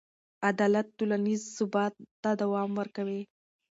عدالت ټولنیز ثبات ته دوام ورکوي.